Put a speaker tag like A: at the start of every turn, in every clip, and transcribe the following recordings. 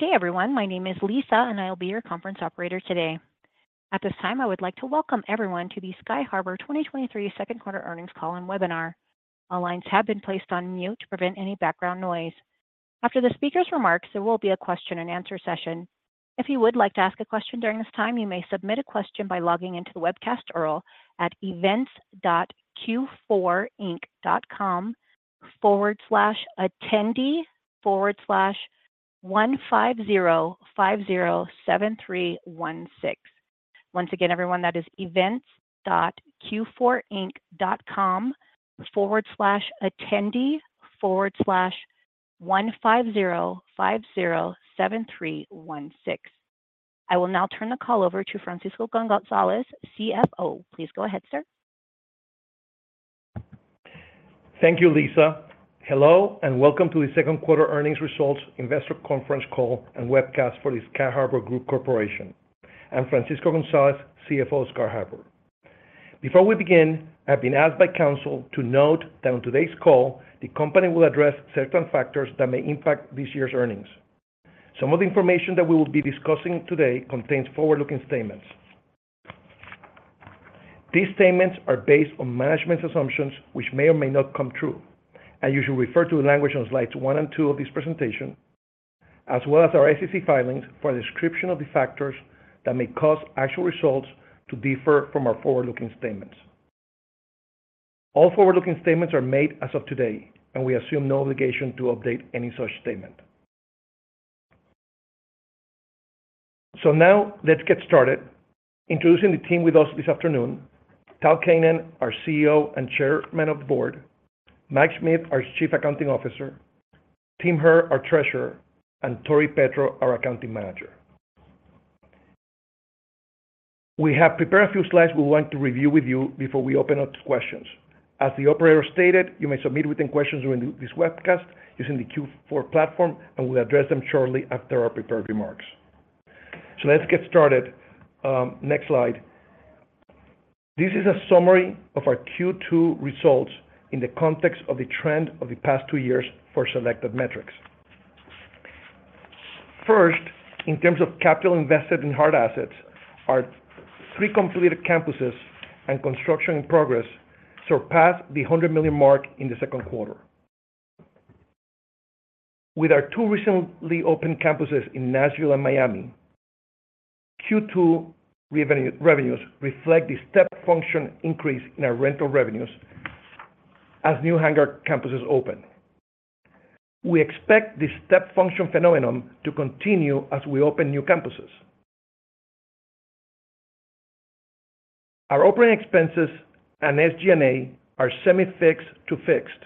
A: Good day, everyone. My name is Lisa, and I will be your conference operator today. At this time, I would like to welcome everyone to the Sky Harbour 2023 Q2 earnings call and webinar. All lines have been placed on mute to prevent any background noise. After the speaker's remarks, there will be a question and answer session. If you would like to ask a question during this time, you may submit a question by logging into the webcast URL at events.q4inc.com/attendee/150507316. Once again, everyone, that is events.q4inc.com/attendee/150507316. I will now turn the call over to Francisco Gonzalez, CFO. Please go ahead, sir.
B: Thank you, Lisa. Hello, welcome to the Q2 earnings results investor conference call and webcast for the Sky Harbour Group Corporation. I'm Francisco Gonzalez, CFO of Sky Harbour. Before we begin, I've been asked by counsel to note that on today's call, the company will address certain factors that may impact this year's earnings. Some of the information that we will be discussing today contains forward-looking statements. These statements are based on management's assumptions, which may or may not come true, and you should refer to the language on slides 1 and 2 of this presentation, as well as our SEC filings for a description of the factors that may cause actual results to differ from our forward-looking statements. All forward-looking statements are made as of today, and we assume no obligation to update any such statement. Now, let's get started. Introducing the team with us this afternoon, Tal Keinan, our CEO and Chairman of the Board, Mike Schmidt, our Chief Accounting Officer, Tim Herr, our Treasurer, and Tori Petro, our Accounting Manager. We have prepared a few slides we want to review with you before we open up to questions. As the operator stated, you may submit written questions during this webcast using the Q4 platform, and we'll address them shortly after our prepared remarks. Let's get started. Next slide. This is a summary of our Q2 results in the context of the trend of the past two years for selected metrics. First, in terms of capital invested in hard assets, our three completed campuses and construction in progress surpassed the $100 million mark in the Q2. With our two recently opened campuses in Nashville and Miami, Q2 revenues reflect the step function increase in our rental revenues as new hangar campuses open. We expect this step function phenomenon to continue as we open new campuses. Our operating expenses and SG&A are semi-fixed to fixed,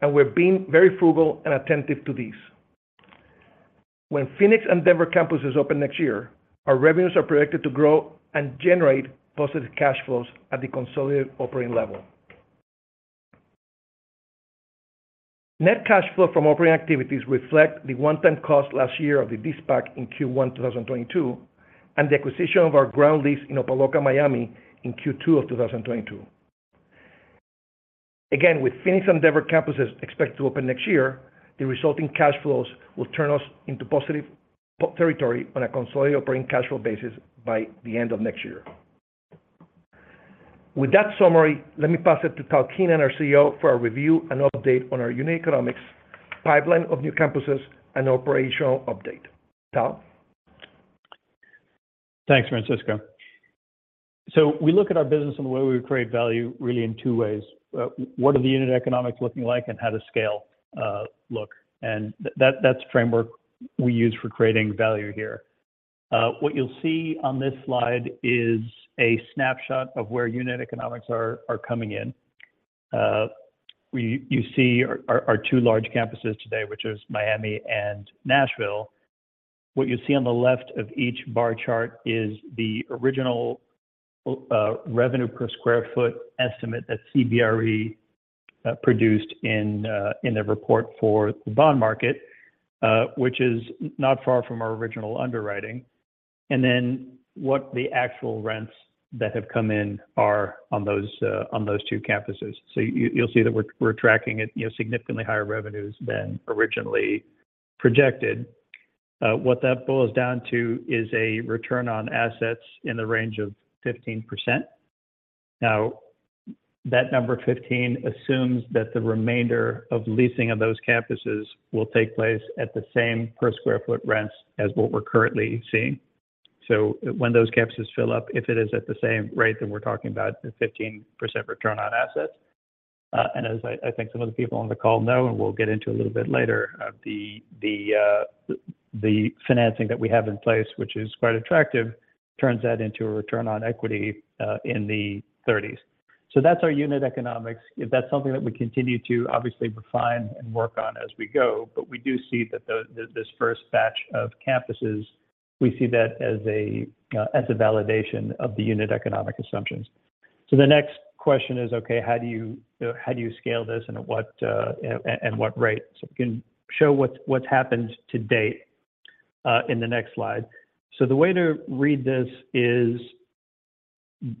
B: and we're being very frugal and attentive to these. When Phoenix and Denver campuses open next year, our revenues are predicted to grow and generate positive cash flows at the consolidated operating level. Net cash flow from operating activities reflect the one-time cost last year of the de-SPAC in Q1 2022, and the acquisition of our ground lease in Opa-Locka, Miami, in Q2 of 2022. Again, with Phoenix and Denver campuses expected to open next year, the resulting cash flows will turn us into positive territory on a consolidated operating cash flow basis by the end of next year. With that summary, let me pass it to Tal Keinan, our CEO, for a review and update on our unit economics, pipeline of new campuses, and operational update. Tal?
C: Thanks, Francisco. We look at our business and the way we create value, really, in two ways. What are the unit economics looking like and how does scale look? That, that's the framework we use for creating value here. What you'll see on this slide is a snapshot of where unit economics are, are coming in. You see our, our two large campuses today, which is Miami and Nashville. What you see on the left of each bar chart is the original revenue per square foot estimate that CBRE produced in their report for the bond market, which is not far from our original underwriting, and then what the actual rents that have come in are on those two campuses. You, you'll see that we're, we're tracking at, you know, significantly higher revenues than originally projected. What that boils down to is a return on assets in the range of 15%. Now, that number 15 assumes that the remainder of leasing of those campuses will take place at the same per square foot rents as what we're currently seeing. When those campuses fill up, if it is at the same rate, then we're talking about a 15% return on assets. As I, I think some of the people on the call know, and we'll get into a little bit later, the financing that we have in place, which is quite attractive, turns that into a return on equity in the 30s. That's our unit economics. That's something that we continue to obviously refine and work on as we go, but we do see that the, this first batch of campuses, we see that as a, as a validation of the unit economic assumptions. The next question is, okay, how do you, how do you scale this and at what, and, and what rate? We can show what, what's happened to date, in the next slide. The way to read this is.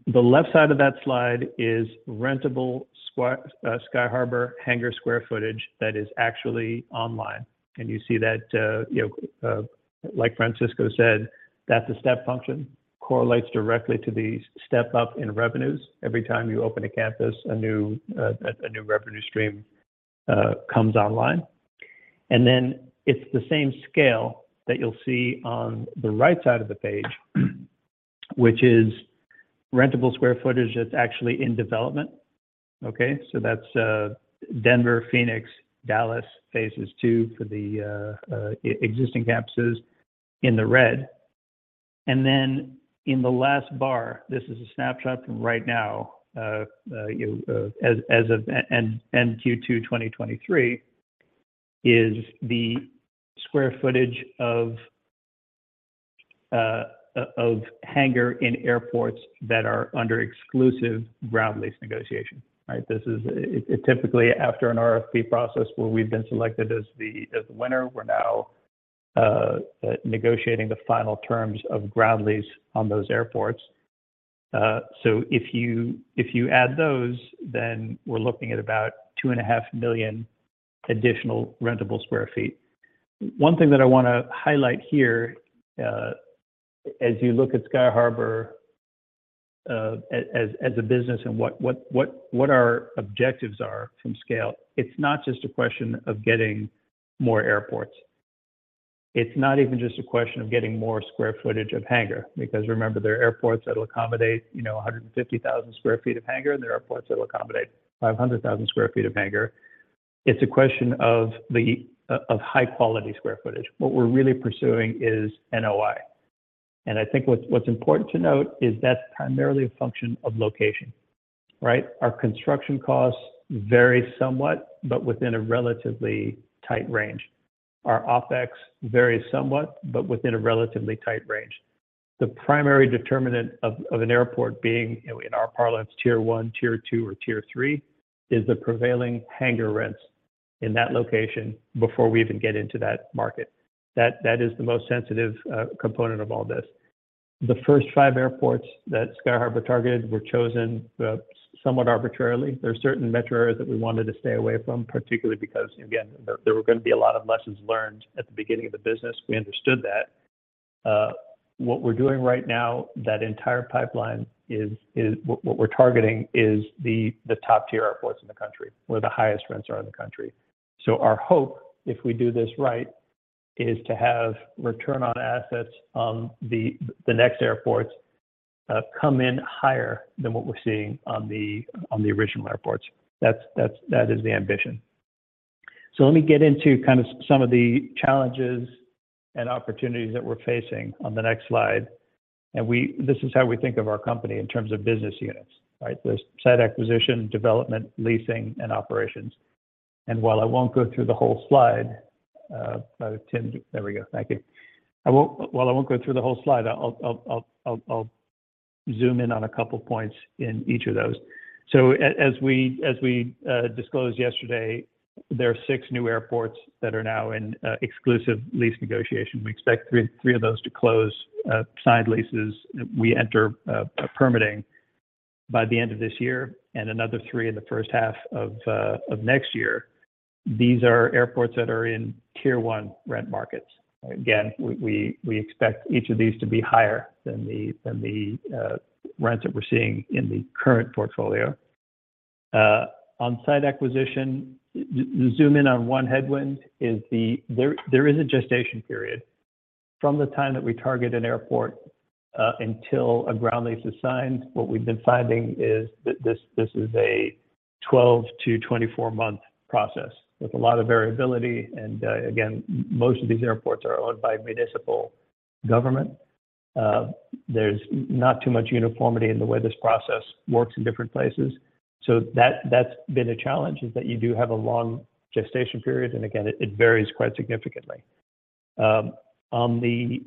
C: The left side of that slide is rentable squa- Sky Harbour hangar square footage that is actually online. You see that, you know, like Francisco said, that's a step function, correlates directly to the step up in revenues. Every time you open a campus, a new, a, a new revenue stream, comes online. Then it's the same scale that you'll see on the right side of the page, which is rentable square footage that's actually in development. Okay? That's Denver, Phoenix, Dallas, phases two for the existing campuses in the red. Then in the last bar, this is a snapshot from right now, as of end Q2 2023, is the square footage of hangar in airports that are under exclusive ground lease negotiation, right? This is, it, it typically after an RFP process where we've been selected as the, as the winner, we're now negotiating the final terms of ground lease on those airports. If you, if you add those, then we're looking at about 2.5 million additional rentable square feet. One thing that I want to highlight here, as you look at Sky Harbour, as a business and what our objectives are from scale, it's not just a question of getting more airports. It's not even just a question of getting more square footage of hangar, because remember, there are airports that will accommodate, you know, 150,000 sq ft of hangar, and there are airports that will accommodate 500,000 sq ft of hangar. It's a question of the of high-quality square footage. What we're really pursuing is NOI. I think what's, what's important to note is that's primarily a function of location, right? Our construction costs vary somewhat, but within a relatively tight range. Our OpEx varies somewhat, but within a relatively tight range. The primary determinant of an airport being, in our parlance, tier one, tier two, or tier three, is the prevailing hangar rents in that location before we even get into that market. That is the most sensitive component of all this. The first five airports that Sky Harbour targeted were chosen somewhat arbitrarily. There are certain metro areas that we wanted to stay away from, particularly because, again, there were going to be a lot of lessons learned at the beginning of the business. We understood that. What we're doing right now, that entire pipeline is what we're targeting is the top-tier airports in the country, where the highest rents are in the country. Our hope, if we do this right, is to have return on assets on the, the next airports, come in higher than what we're seeing on the, on the original airports. That's, that's, that is the ambition. Let me get into kind of some of the challenges and opportunities that we're facing on the next slide. This is how we think of our company in terms of business units, right? There's site acquisition, development, leasing, and operations. While I won't go through the whole slide, Tim, there we go. Thank you. While I won't go through the whole slide, I'll zoom in on a couple of points in each of those. As, as we, as we disclosed yesterday, there are six new airports that are now in exclusive lease negotiation. We expect three, three of those to close, side leases. We enter permitting by the end of this year and another three in the first half of next year. These are airports that are in tier one rent markets. Again, we, we, we expect each of these to be higher than the, than the, rents that we're seeing in the current portfolio. On-site acquisition, zoom in on one headwind is the. There is a gestation period. From the time that we target an airport, until a ground lease is signed, what we've been finding is that this, this is a 12-24-month process with a lot of variability, and again, most of these airports are owned by municipal government. There's not too much uniformity in the way this process works in different places. That, that's been a challenge, is that you do have a long gestation period, and again, it, it varies quite significantly. On the--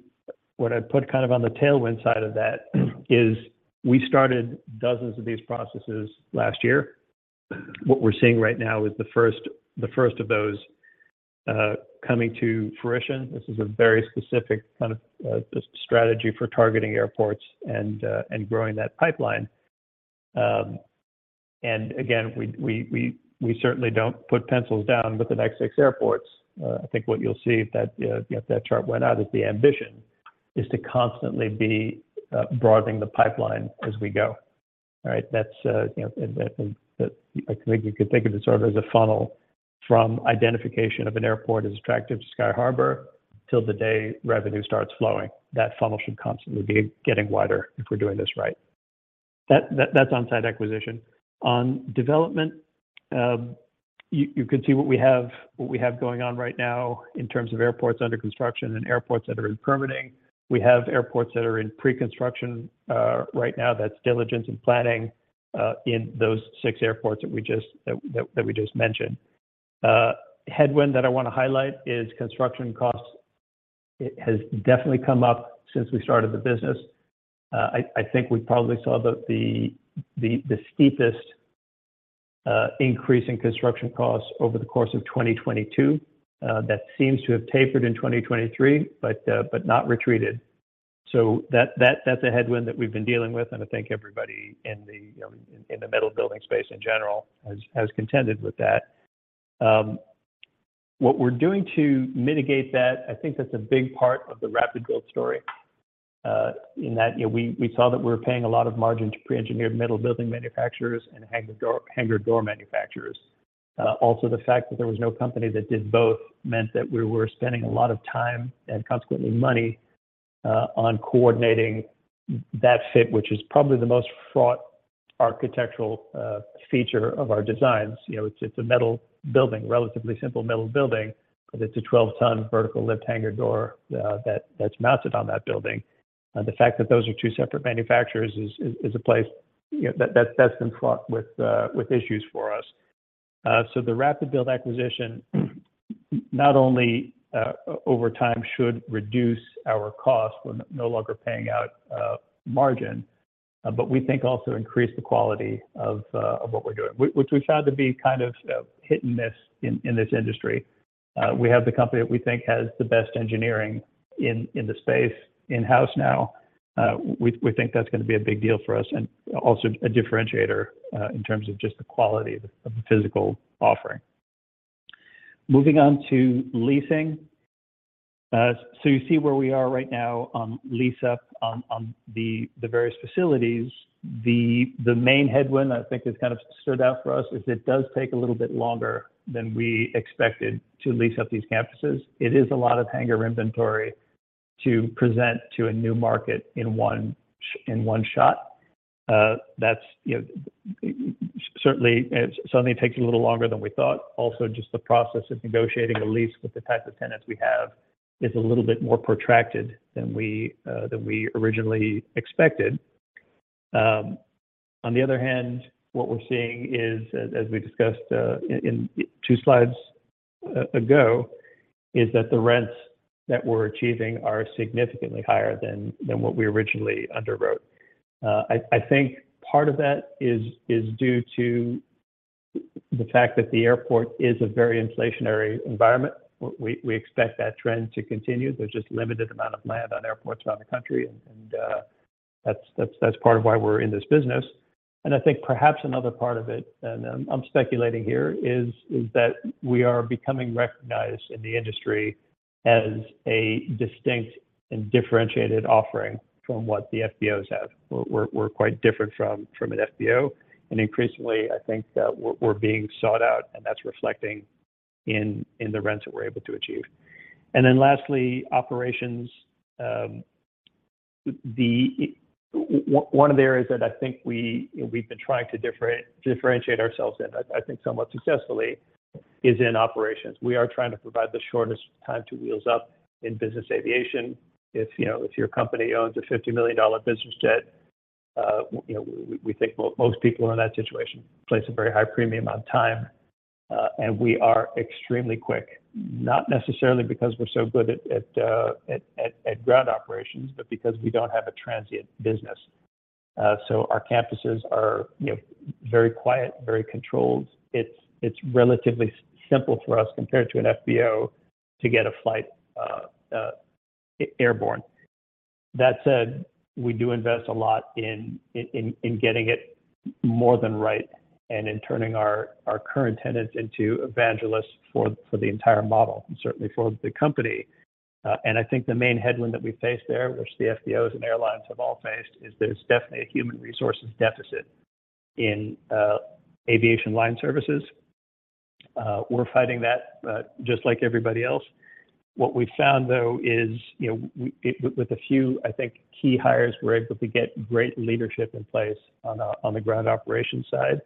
C: what I put kind of on the tailwind side of that, is we started dozens of these processes last year. What we're seeing right now is the first, the first of those coming to fruition. This is a very specific kind of strategy for targeting airports and growing that pipeline. And again, we, we, we, we certainly don't put pencils down with the next six airports. I think what you'll see if that chart went out is the ambition, is to constantly be broadening the pipeline as we go. All right, that's, you know, that, I think you could think of it sort of as a funnel from identification of an airport is attractive to Sky Harbour till the day revenue starts flowing. That funnel should constantly be getting wider if we're doing this right. That's on-site acquisition. On development, you can see what we have going on right now in terms of airports under construction and airports that are in permitting. We have airports that are in preconstruction right now. That's diligence and planning in those six airports that we just mentioned. Headwind that I want to highlight is construction costs. It has definitely come up since we started the business. I think we probably saw the steepest. Increase in construction costs over the course of 2022. That seems to have tapered in 2023, but not retreated. That, that, that's a headwind that we've been dealing with, and I think everybody in the, you know, in the metal building space in general has, has contended with that. What we're doing to mitigate that, I think that's a big part of the RapidBuilt story. In that, you know, we, we saw that we were paying a lot of margin to pre-engineered metal building manufacturers and hangar door, hangar door manufacturers. Also, the fact that there was no company that did both meant that we were spending a lot of time, and consequently money, on coordinating that fit, which is probably the most fraught architectural feature of our designs. You know, it's, it's a metal building, relatively simple metal building, but it's a 12-ton vertical lift hangar door that, that's mounted on that building. The fact that those are two separate manufacturers is, is, is a place, you know, that's, that's in fraught with issues for us. So the RapidBuilt acquisition, not only over time, should reduce our cost, we're no longer paying out margin, but we think also increase the quality of what we're doing. Which we've tried to be kind of hitting this in, in this industry. We have the company that we think has the best engineering in, in the space in-house now. We, we think that's going to be a big deal for us and also a differentiator in terms of just the quality of the physical offering. Moving on to leasing. You see where we are right now on lease up on, on the, the various facilities. The, the main headwind, I think that's kind of stood out for us, is it does take a little bit longer than we expected to lease up these campuses. It is a lot of hangar inventory to present to a new market in one shot. That's, you know, certainly, it certainly takes a little longer than we thought. Also, just the process of negotiating a lease with the type of tenants we have is a little bit more protracted than we than we originally expected. On the other hand, what we're seeing is, as, as we discussed, in two slides ago, is that the rents that we're achieving are significantly higher than, than what we originally underwrote. I, I think part of that is, is due to the fact that the airport is a very inflationary environment. We, we expect that trend to continue. There's just limited amount of land on airports around the country, that's, that's, that's part of why we're in this business. I think perhaps another part of it, and I'm speculating here, is, is that we are becoming recognized in the industry as a distinct and differentiated offering from what the FBOs have. We're, we're quite different from, from an FBO, increasingly, I think that we're, we're being sought out, and that's reflecting in, in the rents that we're able to achieve. Then lastly, operations. The, o- one of the areas that I think we, we've been trying to differen- differentiate ourselves in, I, I think somewhat successfully, is in operations. We are trying to provide the shortest time to wheels up in business aviation. If, you know, if your company owns a $50 million business jet, you know, we, we think most people in that situation place a very high premium on time, and we are extremely quick, not necessarily because we're so good at, at, at, at ground operations, but because we don't have a transient business. Our campuses are, you know, very quiet, very controlled. It's, it's relatively simple for us, compared to an FBO, to get a flight airborne. That said, we do invest a lot in, in, in getting it more than right and in turning our, our current tenants into evangelists for, for the entire model, and certainly for the company. I think the main headwind that we face there, which the FBOs and airlines have all faced, is there's definitely a human resources deficit in aviation line services. We're fighting that just like everybody else. What we've found, though, is, you know, with, with a few, I think, key hires, we're able to get great leadership in place on the, on the ground operations side,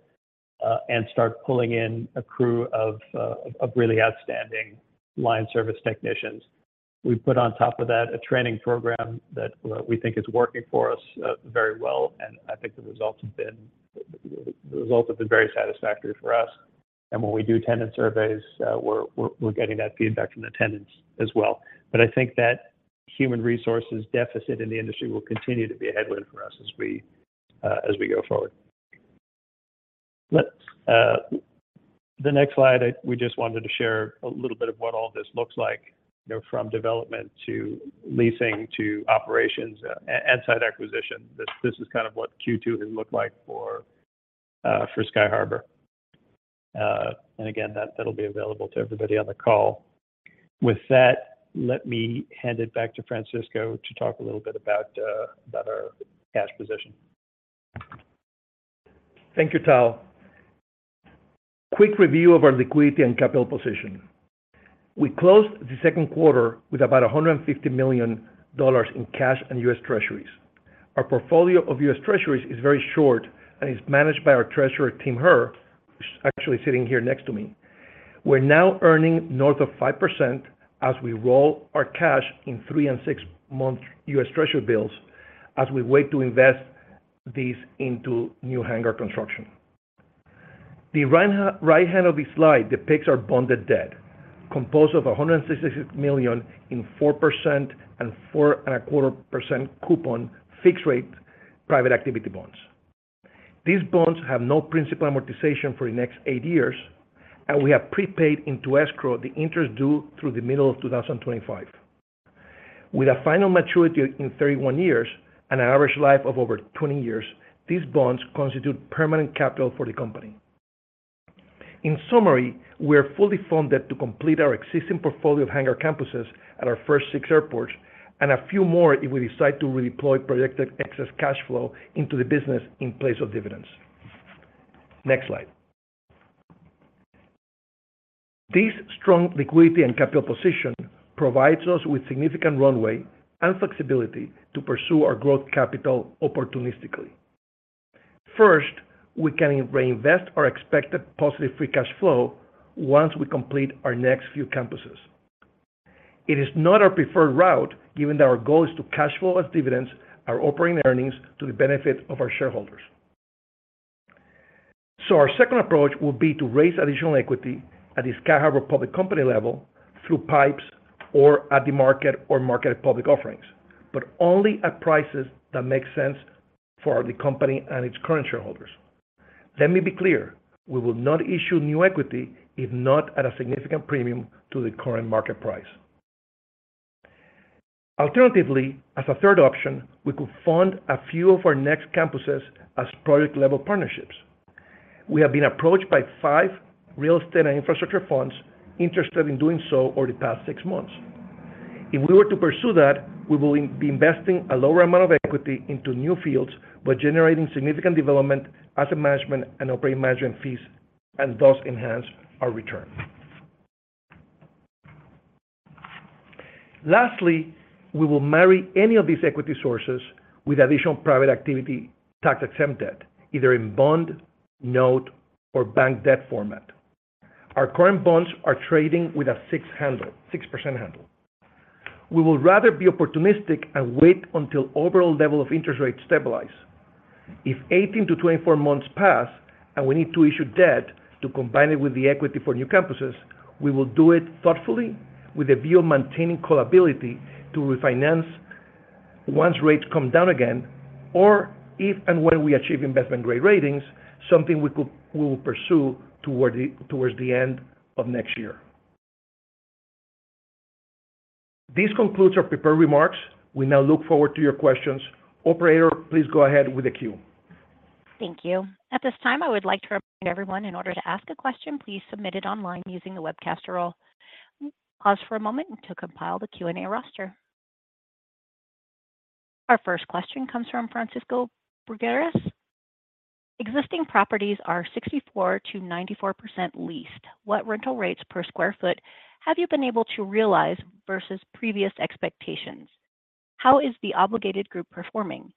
C: and start pulling in a crew of really outstanding line service technicians. We've put on top of that a training program that we think is working for us very well, and I think the results have been, the results have been very satisfactory for us. When we do tenant surveys, we're getting that feedback from the tenants as well. I think that human resources deficit in the industry will continue to be a headwind for us as we as we go forward. The next slide, we just wanted to share a little bit of what all this looks like, you know, from development to leasing to operations and site acquisition. This, this is kind of what Q2 has looked like for for Sky Harbour. Again, that, that'll be available to everybody on the call. With that, let me hand it back to Francisco to talk a little bit about about our cash position.
B: Thank you, Tal. Quick review of our liquidity and capital position. We closed the Q2 with about $150 million in cash and U.S. Treasuries. Our portfolio of U.S. Treasuries is very short and is managed by our treasurer, Tim Herr, who's actually sitting here next to me. We're now earning north of 5% as we roll our cash in three and six-month U.S. Treasury bills as we wait to invest these into new hangar construction. The right hand of this slide depicts our bonded debt composed of $166 million in 4% and 4.25% coupon, fixed-rate private activity bonds. These bonds have no principal amortization for the next 8 years, we have prepaid into escrow the interest due through the middle of 2025. With a final maturity in 31 years and an average life of over 20 years, these bonds constitute permanent capital for the company. In summary, we are fully funded to complete our existing portfolio of hangar campuses at our first 6 airports, and a few more if we decide to redeploy projected excess cash flow into the business in place of dividends. Next slide. This strong liquidity and capital position provides us with significant runway and flexibility to pursue our growth capital opportunistically. First, we can reinvest our expected positive free cash flow once we complete our next few campuses. It is not our preferred route, given that our goal is to cash flow as dividends our operating earnings to the benefit of our shareholders. Our second approach will be to raise additional equity at the Sky Harbour public company level through PIPEs or at-the-market or market public offerings, but only at prices that make sense for the company and its current shareholders. Let me be clear, we will not issue new equity if not at a significant premium to the current market price. Alternatively, as a 3rd option, we could fund a few of our next campuses as project-level partnerships. We have been approached by 5 real estate and infrastructure funds interested in doing so over the past 6 months. If we were to pursue that, we will be investing a lower amount of equity into new fields, but generating significant development, asset management, and operating management fees, and thus enhance our return. Lastly, we will marry any of these equity sources with additional private activity, tax-exempt debt, either in bond, note, or bank debt format. Our current bonds are trading with a 6 handle, 6% handle. We will rather be opportunistic and wait until overall level of interest rates stabilize. If 18-24 months pass and we need to issue debt to combine it with the equity for new campuses, we will do it thoughtfully with a view of maintaining call ability to refinance once rates come down again, or if and when we achieve investment-grade ratings, something we will pursue towards the end of next year. This concludes our prepared remarks. We now look forward to your questions. Operator, please go ahead with the queue.
A: Thank you. At this time, I would like to remind everyone, in order to ask a question, please submit it online using the webcast or I'll pause for a moment to compile the Q&A roster. Our first question comes from Francisco Brugueras. Existing properties are 64%-94% leased. What rental rates per square foot have you been able to realize versus previous expectations? How is the obligated group performing?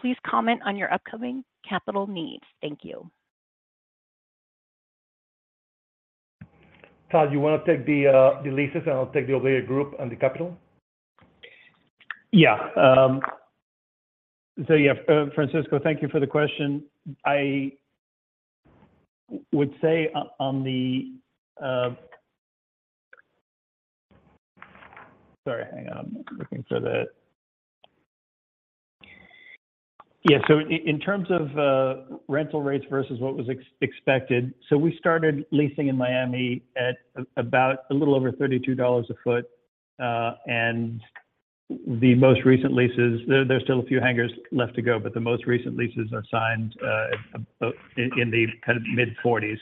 A: Please comment on your upcoming capital needs. Thank you.
B: Tal, you want to take the, the leases, and I'll take the obligated group and the capital?
C: Yeah, yeah, Francisco, thank you for the question. I would say on the... Sorry, hang on. I'm looking for the- Yeah, in terms of rental rates versus what was expected, we started leasing in Miami at about a little over $32 a foot, and the most recent leases, there, there's still a few hangars left to go, but the most recent leases are signed about in the kind of mid-$40s.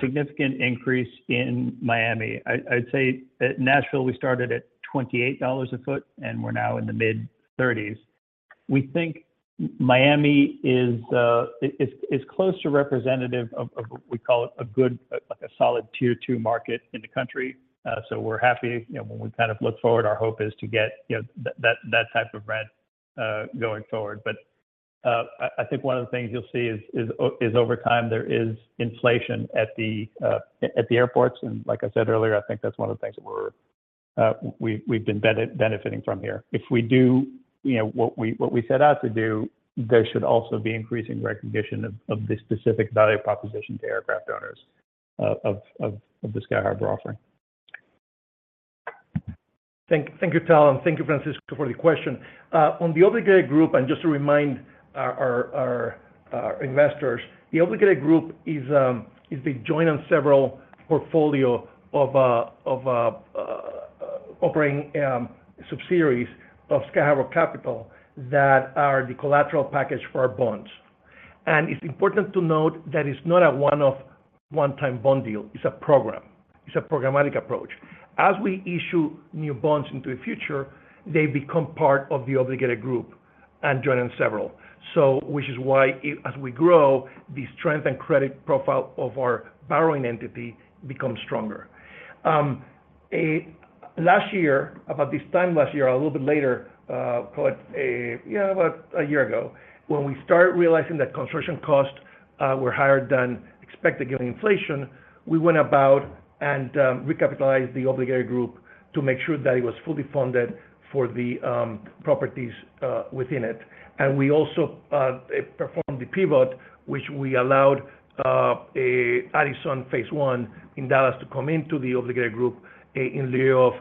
C: Significant increase in Miami. I, I'd say at Nashville, we started at $28 a foot, and we're now in the mid-$30s. We think Miami is, is, is close to representative of, of we call it a good, like a solid tier two market in the country. We're happy. You know, when we kind of look forward, our hope is to get, you know, that, that, that type of rent going forward. I, I think one of the things you'll see is, is over time, there is inflation at the airports, and like I said earlier, I think that's one of the things that we're, we've, we've been benefiting from here. If we do, you know, what we, what we set out to do, there should also be increasing recognition of, of the specific value proposition to aircraft owners of, of, of, the Sky Harbour offering.
B: Thank, thank you, Tal, and thank you, Francisco, for the question. on the obligated group, and just to remind our, our, our, our investors, the obligated group is the joint on several portfolio of operating subsidiaries of Sky Harbour Capital that are the collateral package for our bonds. It's important to note that it's not a one-off, one-time bond deal, it's a program. It's a programmatic approach. As we issue new bonds into the future, they become part of the obligated group and join in several. which is why as we grow, the strength and credit profile of our borrowing entity becomes stronger. Last year, about this time last year, a little bit later, yeah, about a year ago, when we started realizing that construction costs were higher than expected given inflation, we went about and recapitalized the obligated group to make sure that it was fully funded for the properties within it. We also performed the pivot, which we allowed a Addison Phase one in Dallas to come into the obligated group in lieu of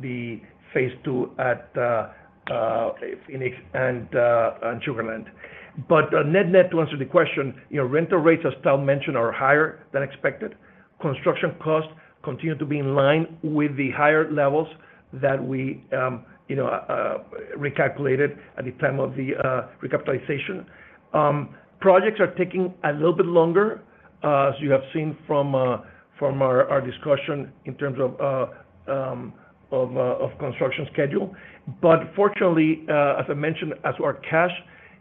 B: the Phase two at Phoenix and Sugar Land. net, net, to answer the question, you know, rental rates, as Tal mentioned, are higher than expected. Construction costs continue to be in line with the higher levels that we, you know, recalculated at the time of the recapitalization. Projects are taking a little bit longer, as you have seen from our discussion in terms of construction schedule. Fortunately, as I mentioned, as our cash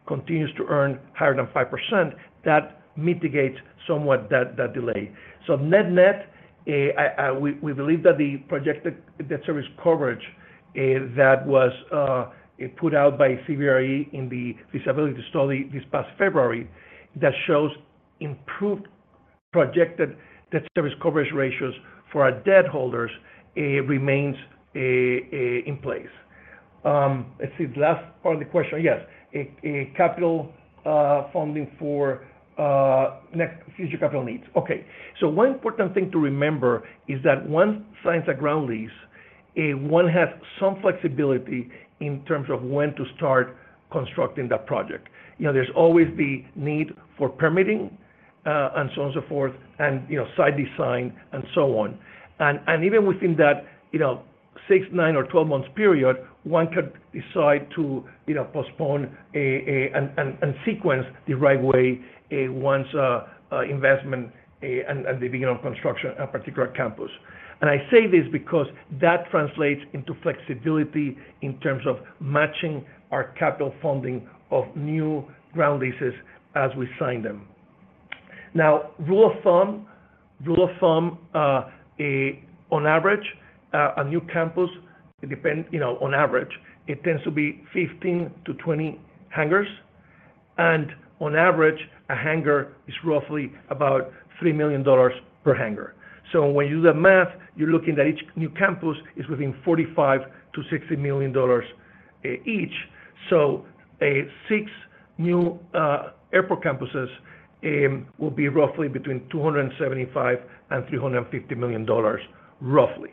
B: continues to earn higher than 5%, that mitigates somewhat that delay. Net-net, we believe that the projected debt service coverage that was put out by CBRE in the feasibility study this past February, that shows improved projected debt service coverage ratios for our debt holders, remains in place. Let's see, the last part of the question. Yes, a capital funding for next future capital needs. One important thing to remember is that once signs a ground lease, one has some flexibility in terms of when to start constructing that project. You know, there's always the need for permitting, and so on and so forth, and, you know, site design, and so on. Even within that, you know, 6, 9, or 12 months period, one could decide to, you know, postpone a, a, and, and, and sequence the right way, once investment at the beginning of construction a particular campus. I say this because that translates into flexibility in terms of matching our capital funding of new ground leases as we sign them. Now, rule of thumb, rule of thumb, on average, a new campus, it depends, you know, on average, it tends to be 15-20 hangars, and on average, a hangar is roughly about $3 million per hangar. When you do the math, you're looking at each new campus is within $45 million-$60 million each. a six new airport campuses will be roughly between $275 million and $350 million, roughly.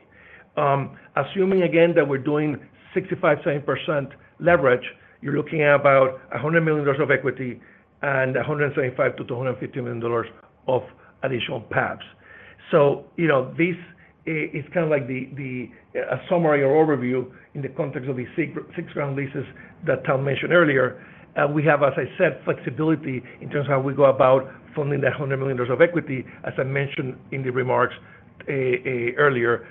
B: Assuming again that we're doing 65%-70% leverage, you're looking at about $100 million of equity and $175 million to $250 million of additional pads. You know, this is kind of like the a summary or overview in the context of the six ground leases that Tal mentioned earlier. we have, as I said, flexibility in terms of how we go about funding that $100 million of equity, as I mentioned in the remarks, earlier,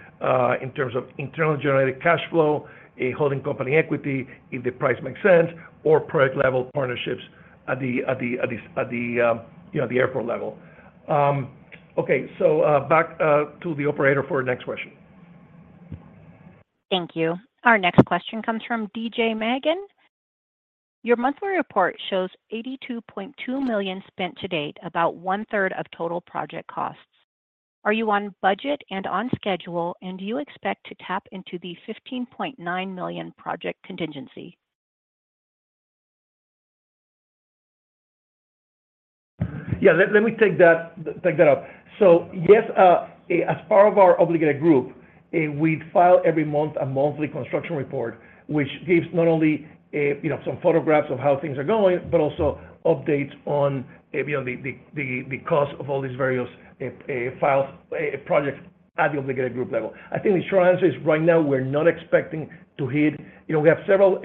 B: in terms of internal generated cash flow, a holding company equity, if the price makes sense, or project level partnerships at the, at the, at the, at the, you know, the airport level. Okay, so, back to the operator for our next question.
A: Thank you. Our next question comes from DJ Magan. Your monthly report shows $82.2 million spent to date, about one-third of total project costs. Are you on budget and on schedule, and do you expect to tap into the $15.9 million project contingency?
B: Yeah, let, let me take that, take that up. Yes, as part of our obligated group, we file every month a monthly construction report, which gives not only, you know, some photographs of how things are going, but also updates on, you know, the, the, the, the cost of all these various files, projects at the obligated group level. I think the short answer is right now, we're not expecting to hit. You know, we have several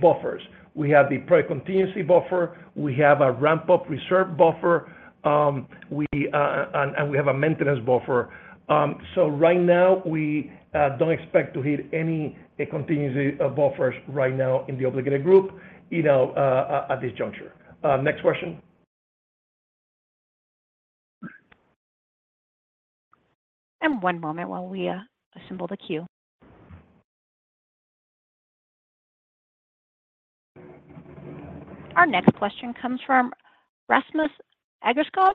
B: buffers. We have the project contingency buffer, we have a ramp-up reserve buffer, we, and, and we have a maintenance buffer. Right now, we don't expect to hit any contingency of buffers right now in the obligated group, you know, at this juncture. Next question.
A: One moment while we assemble the queue. Our next question comes from Rasmus Agerskov.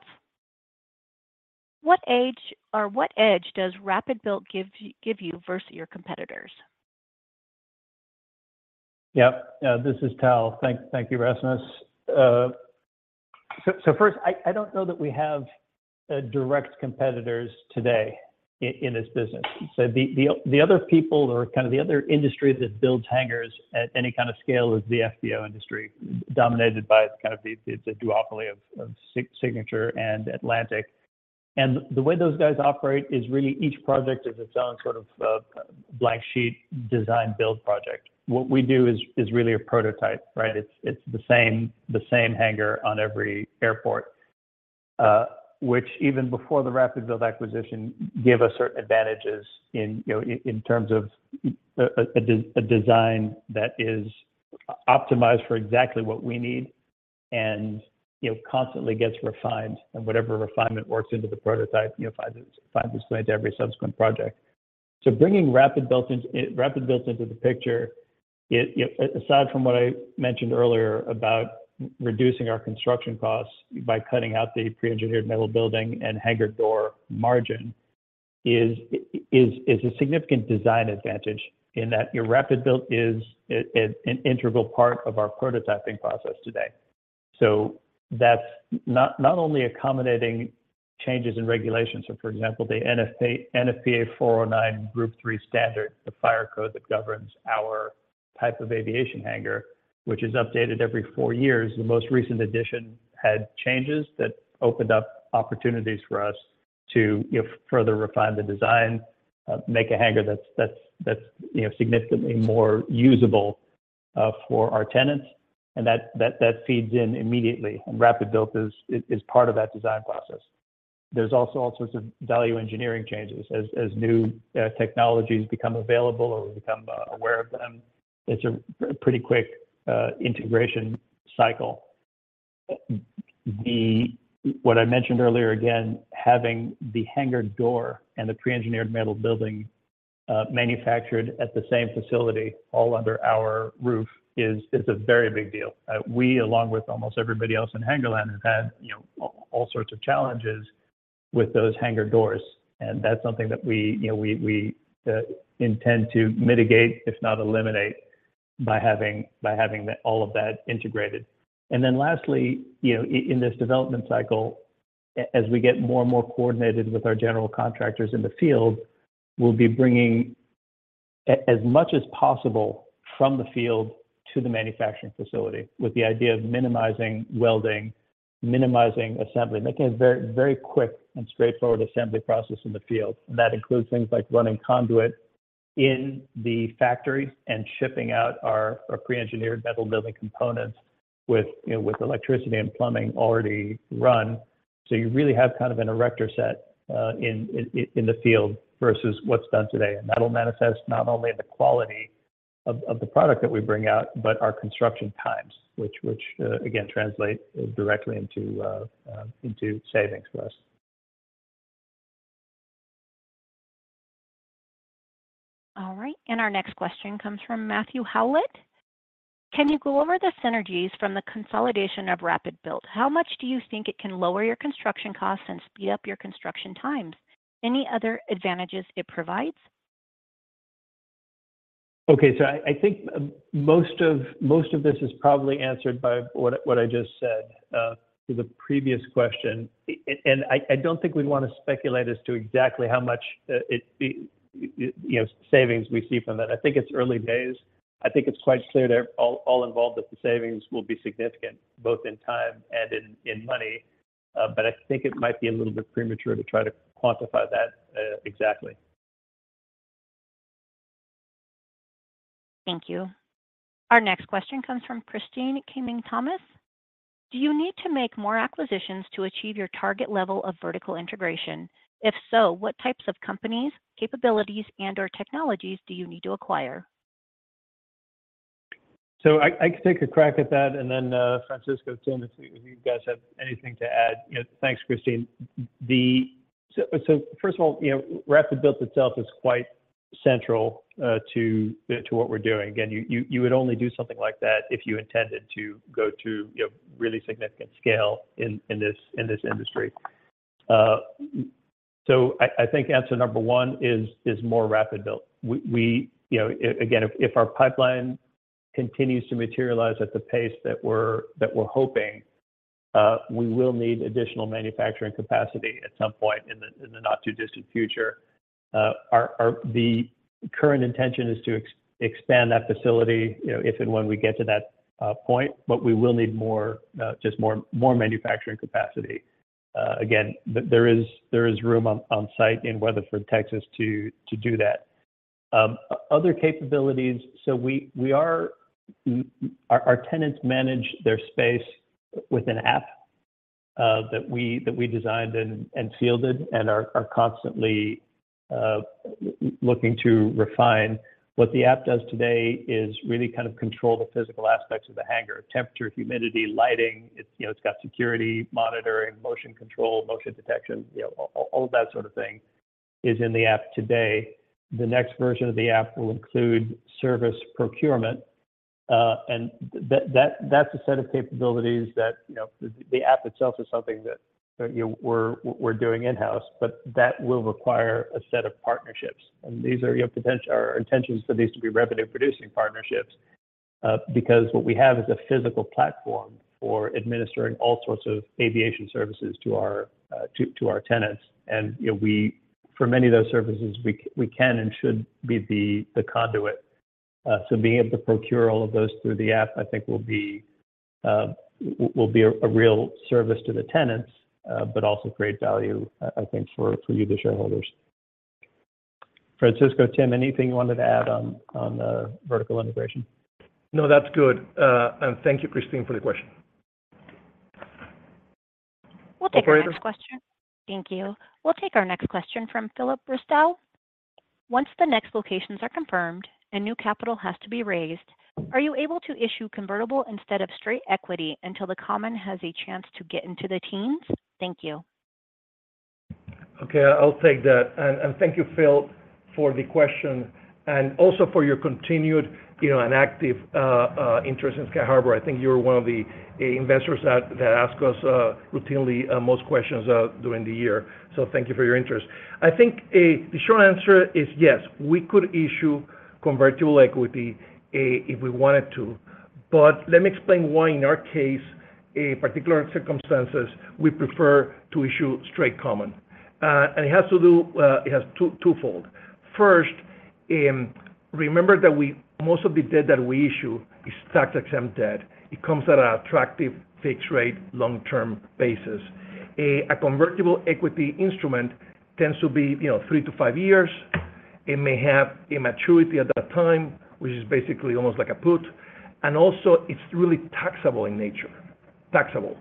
A: What age or what edge does RapidBuilt give you, give you versus your competitors?
C: Yep. This is Tal. Thank, thank you, Rasmus. so first, I, I don't know that we have direct competitors today in this business. The, the, the other people or kind of the other industry that builds hangars at any kind of scale is the FBO industry, dominated by kind of the, it's a duopoly of, of Signature and Atlantic. The way those guys operate is really each project is its own sort of blank sheet design build project. What we do is, is really a prototype, right? It's, it's the same, the same hangar on every airport, which even before the RapidBuilt acquisition, gave us certain advantages in, you know, in terms of a, a de, a design that is-... optimized for exactly what we need and, you know, constantly gets refined, and whatever refinement works into the prototype, you know, finds, finds its way into every subsequent project. So bringing RapidBuilt into, RapidBuilt into the picture, it, aside from what I mentioned earlier about reducing our construction costs by cutting out the pre-engineered metal building and hangar door margin, is, is, is a significant design advantage in that your RapidBuilt is an, an integral part of our prototyping process today. So that's not, not only accommodating changes in regulations, so for example, the NFPA, NFPA 409 Group III standard, the fire code that governs our type of aviation hangar, which is updated every four years. The most recent addition had changes that opened up opportunities for us to, you know, further refine the design, make a hangar that's, that's, that's, you know, significantly more usable for our tenants, and that, that, that feeds in immediately. RapidBuilt is, is part of that design process. There's also all sorts of value engineering changes as, as new technologies become available or we become aware of them. It's a pretty quick integration cycle. The, what I mentioned earlier, again, having the hangar door and the pre-engineered metal building manufactured at the same facility all under our roof is, is a very big deal. We along with almost everybody else in Hangarland, have had, you know, all sorts of challenges with those hangar doors, and that's something that we, you know, we, we intend to mitigate, if not eliminate, by having, by having all of that integrated. Lastly, you know, in this development cycle, as we get more and more coordinated with our general contractors in the field, we'll be bringing as much as possible from the field to the manufacturing facility, with the idea of minimizing welding, minimizing assembly, making a very, very quick and straightforward assembly process in the field. That includes things like running conduit in the factory and shipping out our, our pre-engineered metal building components with, you know, with electricity and plumbing already run. You really have kind of an erector set, in the field versus what's done today. That'll manifest not only the quality of, of the product that we bring out, but our construction times, which, which again, translate directly into savings for us.
A: All right, our next question comes from Matthew Howlett. Can you go over the synergies from the consolidation of RapidBuilt? How much do you think it can lower your construction costs and speed up your construction times? Any other advantages it provides?
C: Okay, I, I think most of, most of this is probably answered by what, what I just said to the previous question. I, I don't think we'd want to speculate as to exactly how much it, you know, savings we see from that. I think it's early days. I think it's quite clear to all, all involved, that the savings will be significant, both in time and in, in money. I think it might be a little bit premature to try to quantify that exactly.
A: Thank you. Our next question comes from Kristine Thomas. Do you need to make more acquisitions to achieve your target level of vertical integration? If so, what types of companies, capabilities, and/or technologies do you need to acquire?
C: I, I can take a crack at that, and then, Francisco, Tim, if you guys have anything to add. You know, thanks, Kristine. The... First of all, you know, RapidBuilt itself is quite central to what we're doing. Again, you, you, you would only do something like that if you intended to go to, you know, really significant scale in, in this, in this industry. I, I think answer number 1 is, is more RapidBuilt. We, we, you know, again, if, if our pipeline continues to materialize at the pace that we're, that we're hoping, we will need additional manufacturing capacity at some point in the, in the not too distant future. Our, our, the current intention is to expand that facility, you know, if and when we get to that point, but we will need more, just more, more manufacturing capacity. Again, there is, there is room on, on site in Weatherford, Texas, to, to do that. Other capabilities, we, we are, our, our tenants manage their space with an app, that we, that we designed and, and fielded and are, are constantly, looking to refine. What the app does today is really kind of control the physical aspects of the hangar: temperature, humidity, lighting. It's, you know, it's got security, monitoring, motion control, motion detection, you know, all that sort of thing is in the app today. The next version of the app will include service procurement, and that, that, that's a set of capabilities that, you know, the app itself is something that, you know, we're, we're doing in-house, but that will require a set of partnerships. These are your potential- our intentions for these to be revenue-producing partnerships, because what we have is a physical platform for administering all sorts of aviation services to our, to, to our tenants. You know, we, for many of those services, we, we can and should be the, the conduit. So being able to procure all of those through the app, I think will be, will be a real service to the tenants, but also create value, I, I think, for, for you, the shareholders. Francisco, Tim, anything you wanted to add on, on, vertical integration?
B: No, that's good. Thank you, Christine, for the question.
A: We'll take the next question. Thank you. We'll take our next question from Philip Bristow. Once the next locations are confirmed, and new capital has to be raised, are you able to issue convertible instead of straight equity until the common has a chance to get into the teams? Thank you.
B: Okay, I'll take that. Thank you, Phil, for the question, and also for your continued, you know, and active, interest in Sky Harbour. I think you're one of the investors that ask us, routinely, most questions, during the year. Thank you for your interest. I think, the short answer is yes, we could issue convertible equity, if we wanted to. Let me explain why, in our case, a particular circumstances, we prefer to issue straight common. It has to do, it has twofold. First, remember that most of the debt that we issue is tax-exempt debt. It comes at an attractive fixed rate, long-term basis. A convertible equity instrument tends to be, you know, three to five years. It may have a maturity at that time, which is basically almost like a put, and also it's really taxable in nature. Taxable.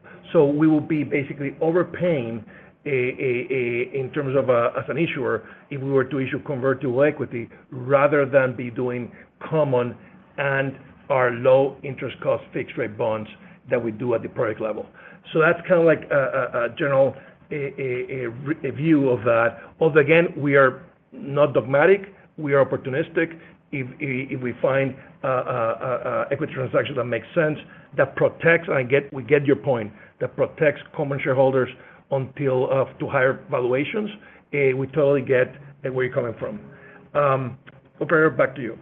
B: We will be basically overpaying in terms of as an issuer, if we were to issue convertible equity, rather than be doing common and our low interest cost, fixed rate bonds that we do at the project level. That's kind of like a general view of that. Although, again, we are not dogmatic, we are opportunistic. If we find a equity transaction that makes sense, that protects, and I get, we get your point, that protects common shareholders until to higher valuations, we totally get where you're coming from. Operator, back to you.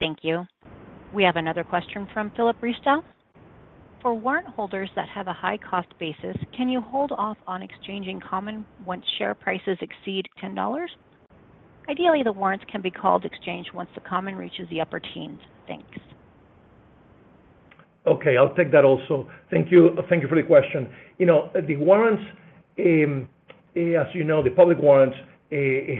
A: Thank you. We have another question from Philip Bristow. For warrant holders that have a high cost basis, can you hold off on exchanging common once share prices exceed $10? Ideally, the warrants can be called exchange once the common reaches the upper teens. Thanks.
B: Okay, I'll take that also. Thank you. Thank you for the question. You know, the warrants, as you know, the public warrants,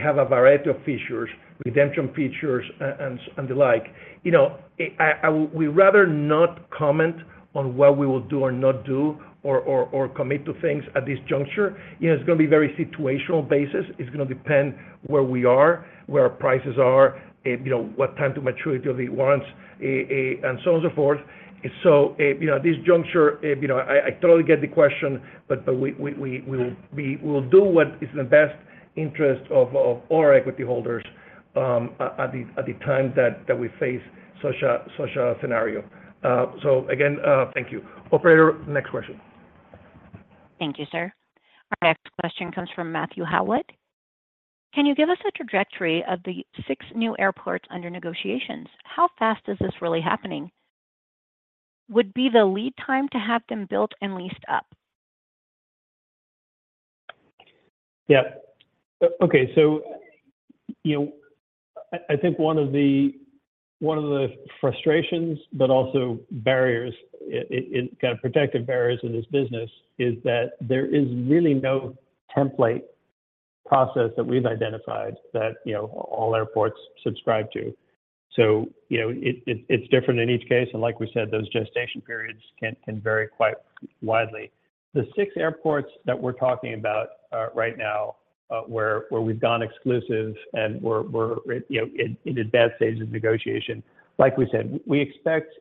B: have a variety of features, redemption features, and, and the like. You know, we rather not comment on what we will do or not do or, or, or commit to things at this juncture. You know, it's gonna be very situational basis. It's gonna depend where we are, where our prices are, you know, what time to maturity of the warrants, and so on and so forth. You know, at this juncture, you know, I totally get the question, but, but we'll do what is in the best interest of, of all our equity holders, at the time that we face such a, such a scenario. Again, thank you. Operator, next question.
A: Thank you, sir. Our next question comes from Matthew Howlett. Can you give us a trajectory of the 6 new airports under negotiations? How fast is this really happening? Would be the lead time to have them built and leased up?
C: Yeah. Okay, so, you know, I, I think one of the, one of the frustrations, but also barriers, in, kind of protective barriers in this business, is that there is really no template process that we've identified that, you know, all airports subscribe to. You know, it, it, it's different in each case, and like we said, those gestation periods can vary quite widely. The six airports that we're talking about, right now, where we've gone exclusive and we're, you know, in advanced stages of negotiation, like we said, we expect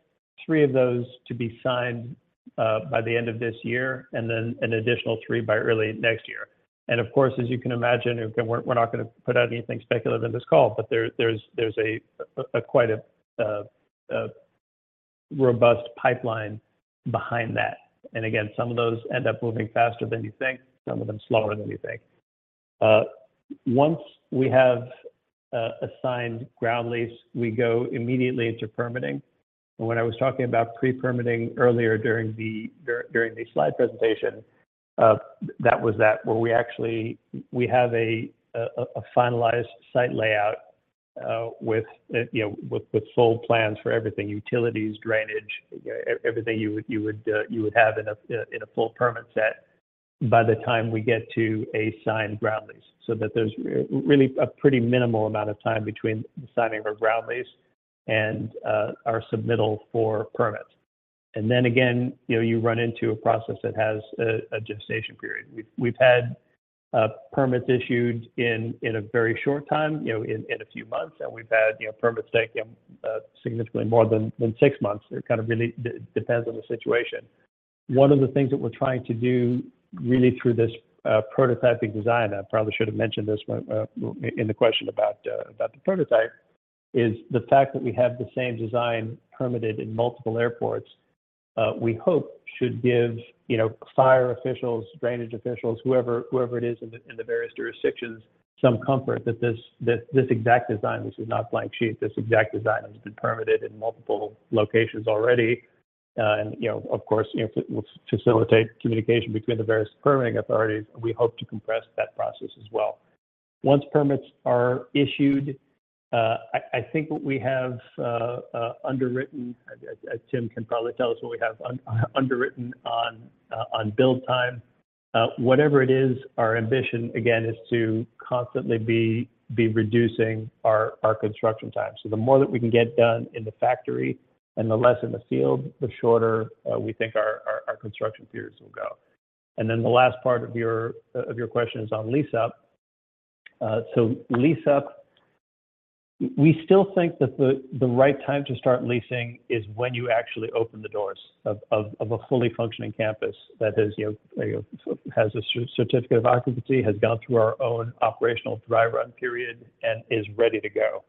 C: three of those to be signed by the end of this year, and then an additional three by early next year. Of course, as you can imagine, we're, we're not gonna put out anything speculative in this call, but there, there's, there's a, a quite a robust pipeline behind that. Again, some of those end up moving faster than you think, some of them slower than you think. Once we have assigned ground lease, we go immediately into permitting. When I was talking about pre-permitting earlier during the, during, during the slide presentation, that was that, where we actually, we have a, a, a finalized site layout, with, you know, with, with full plans for everything, utilities, drainage, everything you would, you would, you would have in a, in a full permit set by the time we get to a signed ground lease. That there's really a pretty minimal amount of time between signing our ground lease and our submittal for permits. Then again, you know, you run into a process that has a gestation period. We've, we've had permits issued in, in a very short time, you know, in, in a few months, and we've had, you know, permits take significantly more than 6 months. It kind of really depends on the situation. One of the things that we're trying to do, really through this, prototyping design, I probably should have mentioned this when, in the question about the, about the prototype, is the fact that we have the same design permitted in multiple airports, we hope should give, you know, fire officials, drainage officials, whoever, whoever it is in the, in the various jurisdictions, some comfort that this, this, this exact design, this is not blank sheet, this exact design has been permitted in multiple locations already. And, you know, of course, it will facilitate communication between the various permitting authorities, and we hope to compress that process as well. Once permits are issued, I think what we have underwritten, Tim can probably tell us what we have underwritten on build time. Whatever it is, our ambition, again, is to constantly be, be reducing our, our construction time. The more that we can get done in the factory and the less in the field, the shorter we think our, our, our construction periods will go. The last part of your question is on lease-up. Lease-up, we still think that the, the right time to start leasing is when you actually open the doors of, of, of a fully functioning campus that is, you know, has a certificate of occupancy, has gone through our own operational dry run period, and is ready to go.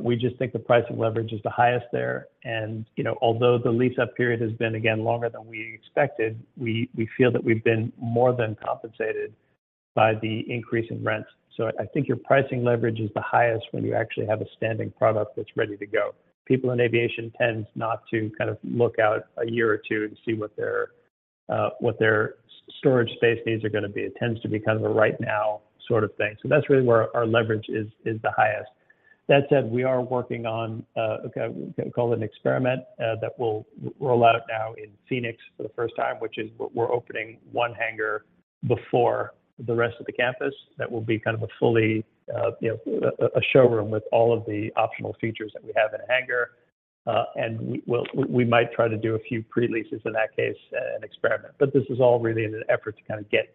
C: We just think the pricing leverage is the highest there. You know, although the lease-up period has been, again, longer than we expected, we feel that we've been more than compensated by the increase in rents. I think your pricing leverage is the highest when you actually have a standing product that's ready to go. People in aviation tends not to kind of look out a year or two to see what their, what their storage space needs are gonna be. It tends to be kind of a right now sort of thing. That's really where our leverage is the highest. That said, we are working on, okay, we call it an experiment that we'll roll out now in Phoenix for the first time, which is we're opening one hangar before the rest of the campus. That will be kind of a fully, you know, a, a showroom with all of the optional features that we have in a hangar. We'll we might try to do a few pre-leases in that case, and experiment. This is all really in an effort to kind of get,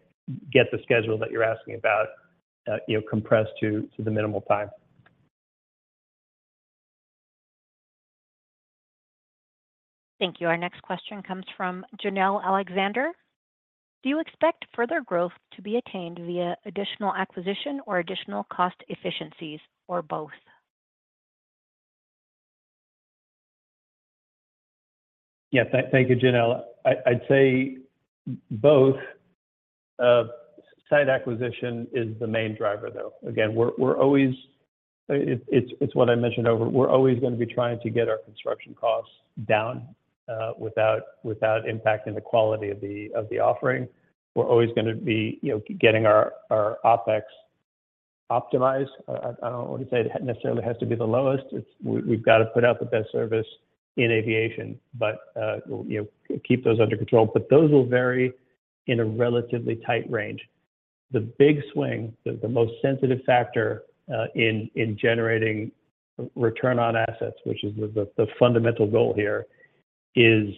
C: get the schedule that you're asking about, you know, compressed to the minimal time.
A: Thank you. Our next question comes from Janelle Alexander. Do you expect further growth to be attained via additional acquisition or additional cost efficiencies, or both?
C: Yes. Thank you, Janelle. I, I'd say both. Site acquisition is the main driver, though. Again, we're, we're always, it's what I mentioned over. We're always gonna be trying to get our construction costs down, without, without impacting the quality of the offering. We're always gonna be, you know, getting our OpEx optimized. I, I don't want to say it necessarily has to be the lowest. It's, we've got to put out the best service in aviation, but, you know, keep those under control. Those will vary in a relatively tight range. The big swing, the most sensitive factor, in generating return on assets, which is the fundamental goal here, is,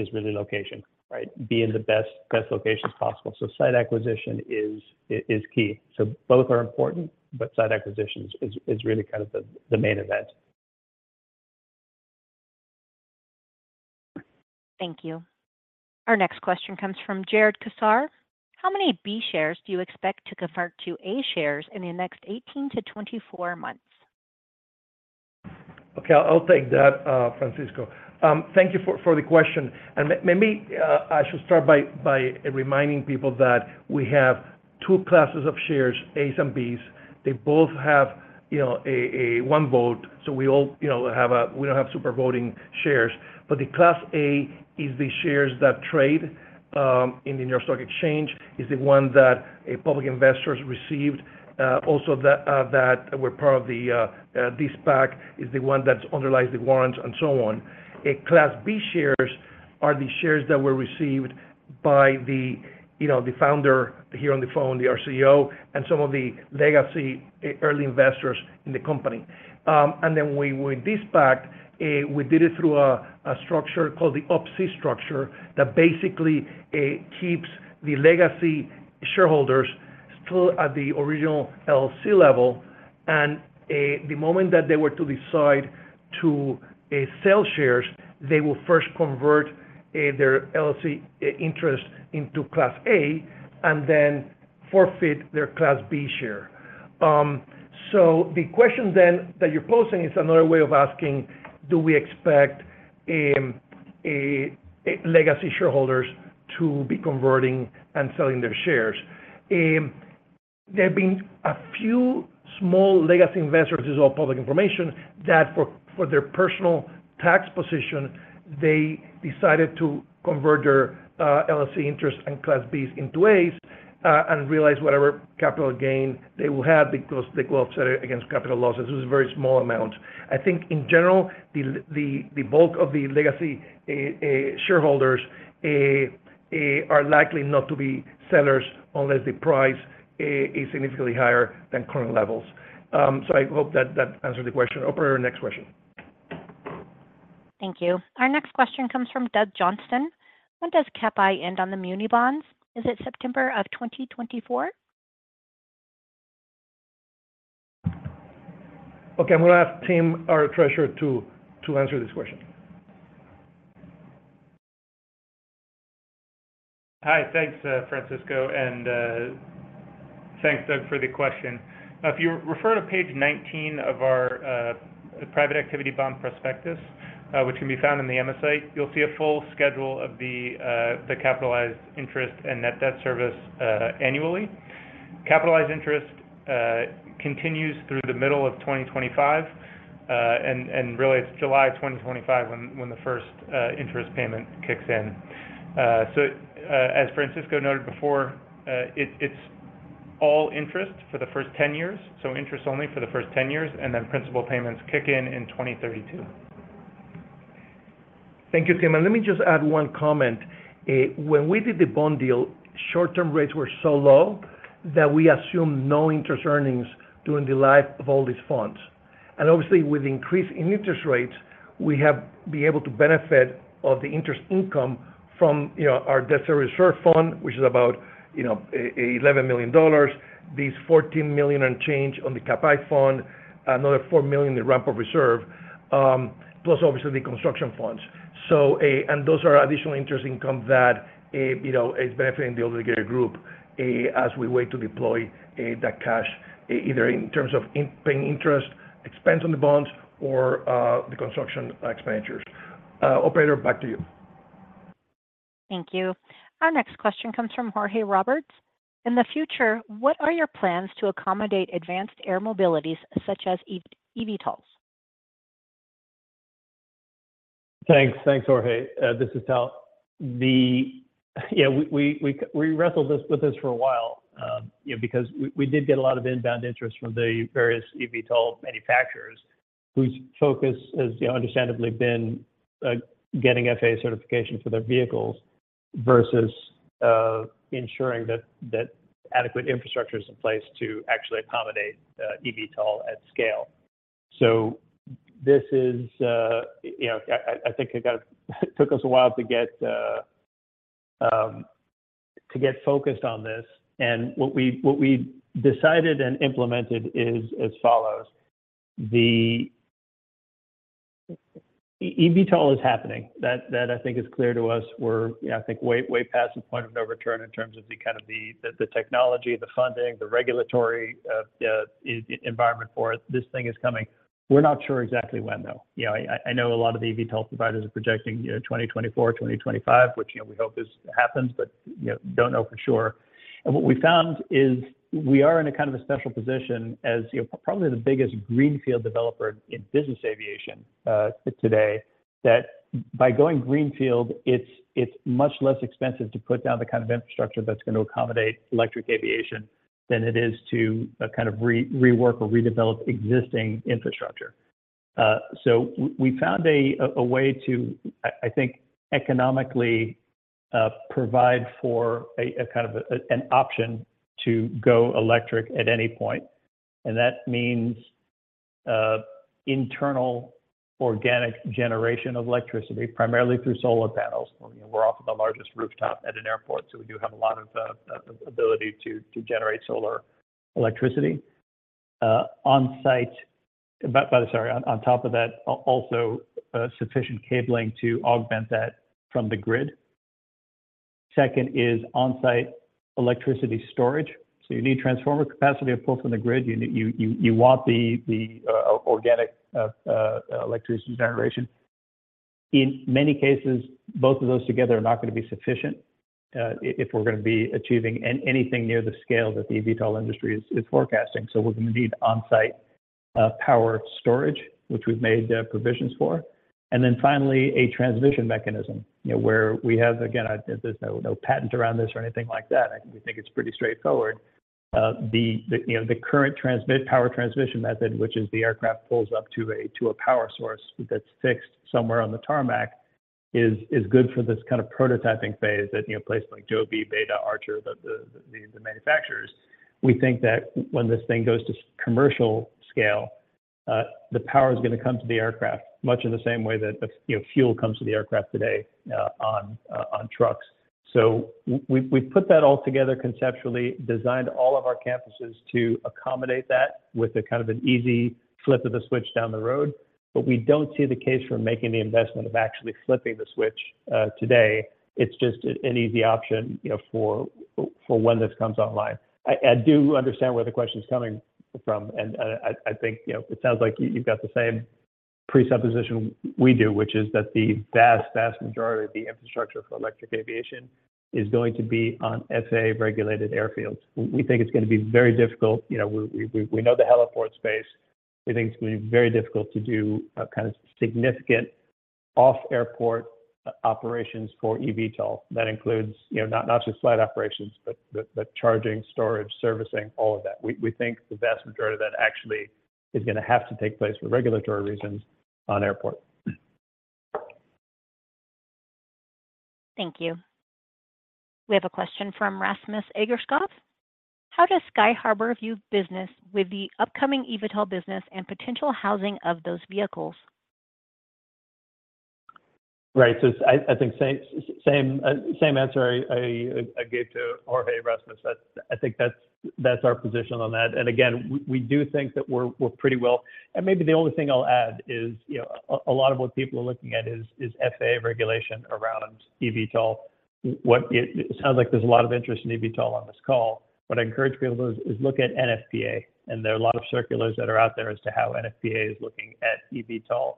C: is really location, right? Be in the best, best locations possible. Site acquisition is, is key. both are important, but site acquisitions is really kind of the main event.
A: Thank you. Our next question comes from Jared Kassar. How many B shares do you expect to convert to A shares in the next 18 to 24 months?
B: Okay, I'll take that, Francisco. Thank you for, for the question. Maybe I should start by, by reminding people that we have two classes of shares, As and Bs. They both have, you know, a, a one vote, so we all, you know, we don't have super voting shares. The Class A is the shares that trade in the New York Stock Exchange, is the one that public investors received, also, that were part of the SPAC, is the one that underlies the warrants and so on. Class B shares are the shares that were received by the, you know, the founder here on the phone, our CEO, and some of the legacy early investors in the company. Then we, with this SPAC, we did it through a structure called the Up-C structure, that basically keeps the legacy shareholders still at the original LLC level. The moment that they were to decide to sell shares, they will first convert their LLC interest into Class A, then forfeit their Class B share. The question then that you're posing is another way of asking, do we expect legacy shareholders to be converting and selling their shares? There have been a few small legacy investors, this is all public information, that for their personal tax position, they decided to convert their LLC interest and Class Bs into As, and realize whatever capital gain they will have, because they will offset it against capital losses. This is very small amounts. I think in general, the, the, the bulk of the legacy shareholders are likely not to be sellers unless the price is, is significantly higher than current levels. I hope that that answered the question. Operator, next question.
A: Thank you. Our next question comes from Doug Johnston. When does Cap I end on the muni bonds? Is it September of 2024?
B: Okay, I'm gonna ask Tim, our treasurer, to, to answer this question.
D: Hi. Thanks, Francisco, and thanks, Doug, for the question. If you refer to page 19 of our private activity bond prospectus, which can be found in the MSA, you'll see a full schedule of the capitalized interest and net debt service annually. Capitalized interest continues through the middle of 2025, and really it's July 2025 when the first interest payment kicks in. As Francisco noted before, it's all interest for the first 10 years, so interest only for the first 10 years, and then principal payments kick in in 2032.
B: .Thank you, Tim. Let me just add one comment. When we did the bond deal, short-term rates were so low that we assumed no interest earnings during the life of all these funds. Obviously, with the increase in interest rates, we have been able to benefit of the interest income from, you know, our debt service reserve fund, which is about, you know, $11 million, these $14 million on the Cap I fund, another $4 million in the ramp-up reserve, plus obviously the construction funds. Those are additional interest income that, you know, is benefiting the obligated group, as we wait to deploy that cash, either in terms of in paying interest, expense on the bonds, or the construction expenditures. Operator, back to you.
A: Thank you. Our next question comes from Jorge Roberts. In the future, what are your plans to accommodate advanced air mobilities such as eVTOLs?
C: Thanks. Thanks, Jorge. This is Tal. Yeah, we, we, we wrestled with this for a while, you know, because we, we did get a lot of inbound interest from the various eVTOL manufacturers, whose focus has, you know, understandably been getting FAA certification for their vehicles versus ensuring that, that adequate infrastructure is in place to actually accommodate eVTOL at scale. This is, you know, I, I, I think it got, it took us a while to get focused on this. What we, what we decided and implemented is as follows: eVTOL is happening. That, I think, is clear to us. We're, I think, way, way past the point of no return in terms of the kind of the technology, the funding, the regulatory environment for it. This thing is coming. We're not sure exactly when, though. You know, I, I, I know a lot of the eVTOL providers are projecting, you know, 2024, 2025, which, you know, we hope this happens, but, you know, don't know for sure. What we found is we are in a kind of a special position as, you know, probably the biggest greenfield developer in business aviation, today. That by going greenfield, it's, it's much less expensive to put down the kind of infrastructure that's gonna accommodate electric aviation than it is to, kind of rework or redevelop existing infrastructure. We found a, a way to, I, I think, economically, provide for a, a kind of a, an option to go electric at any point. That means, internal organic generation of electricity, primarily through solar panels. You know, we're off the largest rooftop at an airport, we do have a lot of ability to generate solar electricity. On-site, but sorry, on top of that, also sufficient cabling to augment that from the grid. Second is on-site electricity storage. You need transformer capacity to pull from the grid. You want the organic electricity generation. In many cases, both of those together are not going to be sufficient if we're going to be achieving anything near the scale that the eVTOL industry is forecasting. We're going to need on-site power storage, which we've made provisions for. Then finally, a transmission mechanism, you know, where we have... Again, I, there's no patent around this or anything like that. I think it's pretty straightforward. The, the, you know, the current transmit- power transmission method, which is the aircraft pulls up to a, to a power source that's fixed somewhere on the tarmac, is, is good for this kind of prototyping phase that, you know, places like Joby, Beta, Archer, the, the, the manufacturers. We think that when this thing goes to commercial scale, the power is going to come to the aircraft, much in the same way that the, you know, fuel comes to the aircraft today, on, on trucks. We've, we've put that all together conceptually, designed all of our campuses to accommodate that with a kind of an easy flip of the switch down the road. We don't see the case for making the investment of actually flipping the switch, today. It's just an easy option, you know, for, for when this comes online. I, I do understand where the question is coming from, and I, I think, you know, it sounds like you, you've got the same presupposition we do, which is that the vast, vast majority of the infrastructure for electric aviation is going to be on FAA-regulated airfields. We think it's going to be very difficult, you know, we, we, we know the heliport space. We think it's going to be very difficult to do a kind of significant off-airport operations for eVTOL. That includes, you know, not, not just flight operations, but the, the charging, storage, servicing, all of that. We, we think the vast majority of that actually is going to have to take place for regulatory reasons on airport.
A: Thank you. We have a question from Rasmus Agerskov: How does Sky Harbour view business with the upcoming eVTOL business and potential housing of those vehicles?
C: Right. I, I think same, same, same answer I, I, I gave to Jorge, Rasmus. That's. I think that's, that's our position on that. Again, we do think that we're, we're pretty well... Maybe the only thing I'll add is, you know, a, a lot of what people are looking at is, is FAA regulation around eVTOL. It sounds like there's a lot of interest in eVTOL on this call. What I encourage people to do is look at NFPA, and there are a lot of circulars that are out there as to how NFPA is looking at eVTOL.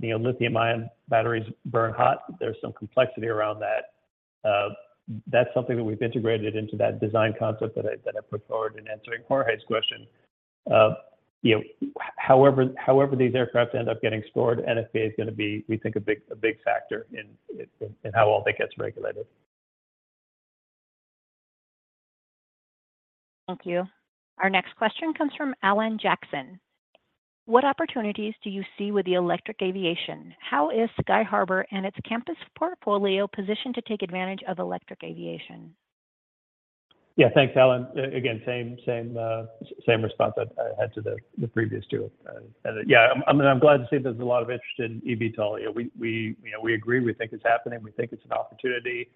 C: You know, lithium-ion batteries burn hot. There's some complexity around that. That's something that we've integrated into that design concept that I, that I put forward in answering Jorge's question. You know, however, however these aircraft end up getting stored, NFPA is going to be, we think, a big, a big factor in, in, in how all that gets regulated.
A: Thank you. Our next question comes from Alan Jackson. What opportunities do you see with the electric aviation? How is Sky Harbour and its campus portfolio positioned to take advantage of electric aviation?
C: Yeah, thanks, Alan. Again, same, same, same response I had to the previous two. Yeah, I'm glad to see there's a lot of interest in eVTOL. You know, we, you know, we agree, we think it's happening. We think it's an opportunity.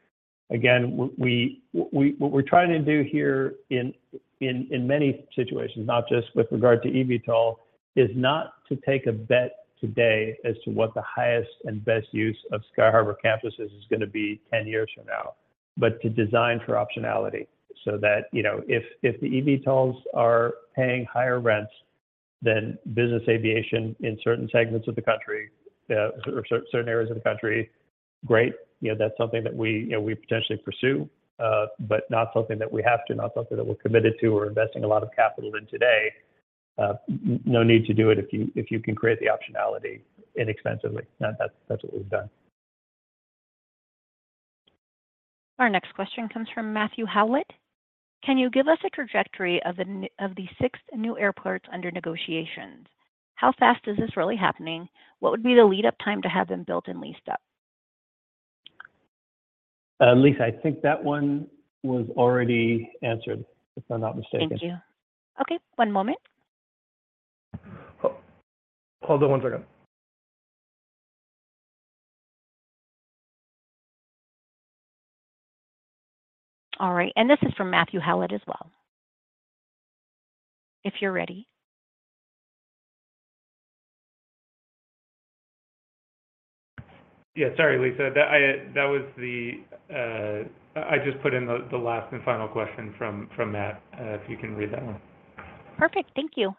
C: Again, what we're trying to do here in many situations, not just with regard to eVTOL, is not to take a bet today as to what the highest and best use of Sky Harbour campuses is gonna be 10 years from now, but to design for optionality. You know, if the eVTOLs are paying higher rents than business aviation in certain segments of the country, or certain areas of the country, great. You know, that's something that we, you know, we potentially pursue, but not something that we have to, not something that we're committed to or investing a lot of capital in today. No need to do it if you, if you can create the optionality inexpensively. That, that's, that's what we've done.
A: Our next question comes from Matthew Howlett. Can you give us a trajectory of the six new airports under negotiations? How fast is this really happening? What would be the lead-up time to have them built and leased up?
C: Lisa, I think that one was already answered, if I'm not mistaken.
A: Thank you. Okay, one moment.
B: Oh, hold on one second.
A: All right. This is from Matthew Howlett as well. If you're ready.
C: Yeah, sorry, Lisa. That I, that was the... I just put in the, the last and final question from, from Matt, if you can read that one.
A: Perfect. Thank you.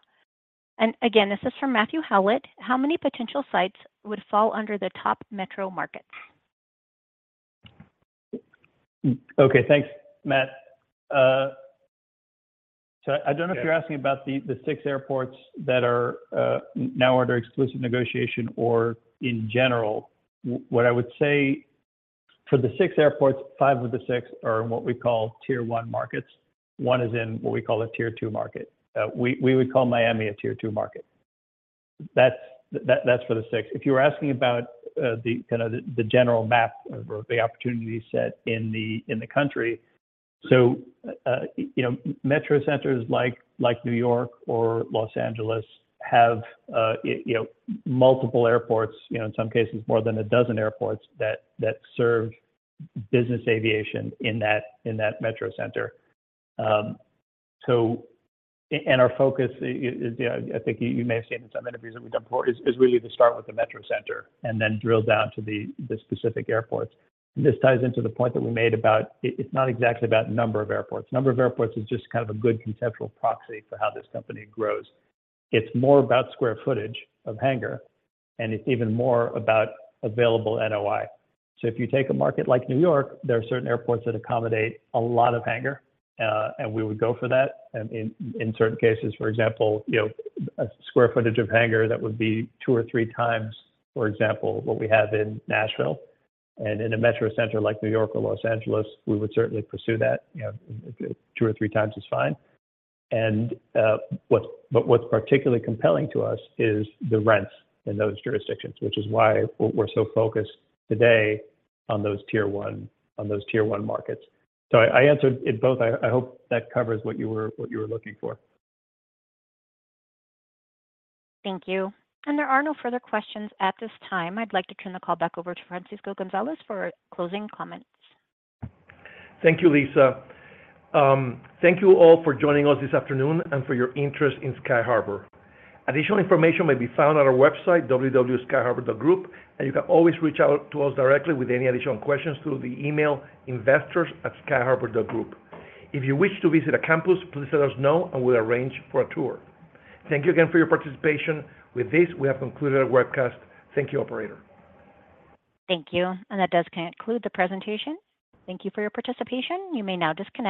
A: Again, this is from Matthew Howlett. How many potential sites would fall under the top metro markets?
C: Okay, thanks, Matt. I don't know if you're asking about the, the 6 airports that are now under exclusive negotiation or in general. What I would say, for the 6 airports, 5 of the 6 are in what we call Tier One markets. 1 is in what we call a Tier Two market. We, we would call Miami a Tier Two market. That's, that, that's for the 6. If you were asking about, the, kinda the, the general map or the opportunity set in the, in the country, you know, metro centers like, like New York or Los Angeles have, you know, multiple airports, you know, in some cases more than 12 airports that, that serve business aviation in that, in that metro center. And our focus is, you know, I think you, you may have seen in some interviews that we've done before, is, is really to start with the metro center and then drill down to the, the specific airports. This ties into the point that we made about it, it's not exactly about number of airports. Number of airports is just kind of a good conceptual proxy for how this company grows. It's more about square footage of hangar, and it's even more about available NOI. If you take a market like New York, there are certain airports that accommodate a lot of hangar, and we would go for that. In, in certain cases, for example, you know, a square footage of hangar that would be two or three times, for example, what we have in Nashville. In a metro center like New York or Los Angeles, we would certainly pursue that. You know, two or three times is fine. What's particularly compelling to us is the rents in those jurisdictions, which is why w-we're so focused today on those Tier One, on those Tier One markets. I, I answered it both. I, I hope that covers what you were, what you were looking for.
A: Thank you. There are no further questions at this time. I'd like to turn the call back over to Francisco Gonzalez for closing comments.
B: Thank you, Lisa. Thank you all for joining us this afternoon and for your interest in Sky Harbour. Additional information may be found on our website, www.skyharbour.group. You can always reach out to us directly with any additional questions through the email investors@skyharbour.group. If you wish to visit a campus, please let us know, and we'll arrange for a tour. Thank you again for your participation. With this, we have concluded our webcast. Thank you, operator.
A: Thank you, and that does conclude the presentation. Thank you for your participation. You may now disconnect.